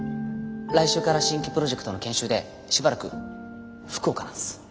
来週から新規プロジェクトの研修でしばらく福岡なんです。